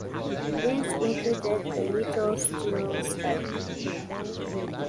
These included the Little Steel Strike.